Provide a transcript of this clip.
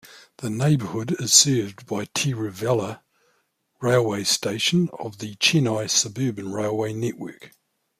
The neighborhood is served by Tiruvallur railway station of the Chennai Suburban Railway Network.